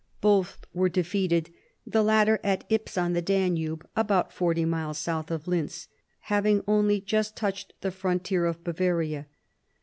Both were defeated, the latter at Ips on the Danube (about forty miles south of Linz), having only just touched the frontier of Bavaria.